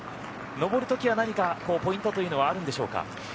上る時は何かポイントというのはあるんでしょうか？